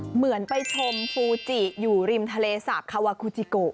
เหมือนไปชมฟูจิอยู่ริมทะเลสาบคาวาคูจิโก